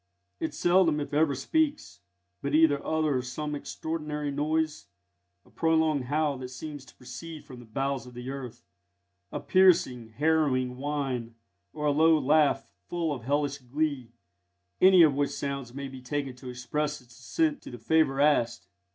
It seldom if ever speaks, but either utters some extraordinary noise a prolonged howl that seems to proceed from the bowels of the earth, a piercing, harrowing whine, or a low laugh full of hellish glee, any of which sounds may be taken to express its assent to the favour asked.